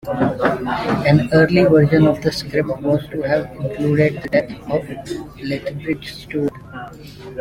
An early version of the script was to have included the death of Lethbridge-Stewart.